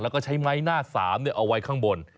แล้วก็ใช้ไม้หน้า๓เอาไว้ข้างบน